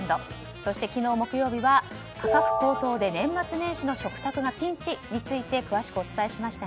そして昨日、木曜日は価格高騰で年末年始の食卓がピンチ？について詳しくお伝えしました。